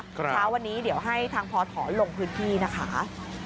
เช้าวันนี้เดี๋ยวให้ทางพศลงพื้นที่นะคะ